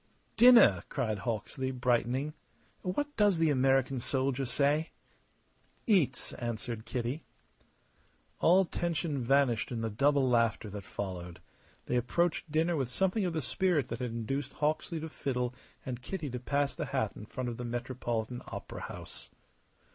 "Dinner!" cried Hawksley, brightening. "What does the American soldier say?" "Eats!" answered Kitty. All tension vanished in the double laughter that followed. They approached dinner with something of the spirit that had induced Hawksley to fiddle and Kitty to pass the hat in front of the Metropolitan Opera House.